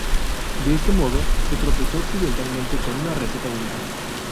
De este modo, se tropezó accidentalmente con una receta única.